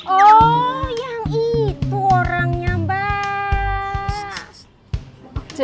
oh yang itu orangnya mbak